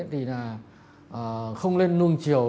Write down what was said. thì là không lên nuông chiều